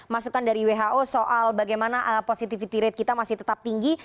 masukan dari who soal bagaimana positivity rate kita masih tetap tinggi